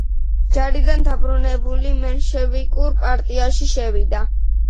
ჯარიდან დაბრუნებული მენშევიკურ პარტიაში შევიდა.